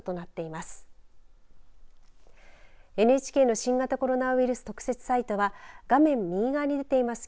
ＮＨＫの新型コロナウイルス特設サイトは画面右側に出ています